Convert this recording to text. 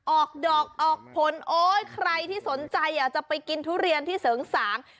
ออกดอกออกผลโอ๊ยใครที่สนใจอยากจะไปกินทุเรียนที่เสริงสาง